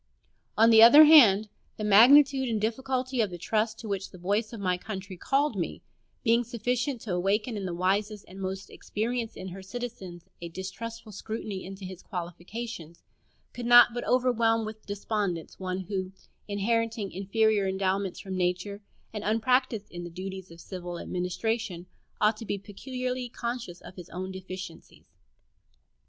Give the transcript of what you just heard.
On the other hand, the magnitude and difficulty of the trust to which the voice of my country called me, being sufficient to awaken in the wisest and most experienced of her citizens a distrustful scrutiny into his qualifications, could not but overwhelm with despondence one who (inheriting inferior endowments from nature and unpracticed in the duties of civil administration) ought to be peculiarly conscious of his own deficiencies.